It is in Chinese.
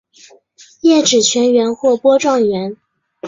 叶纸全缘或波状缘。